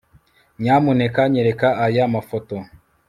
Nyamuneka nyereka aya mafoto